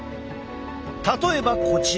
例えばこちら。